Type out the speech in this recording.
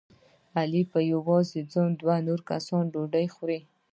علي په یوازې ځان د دوه کسانو ډوډۍ خوري.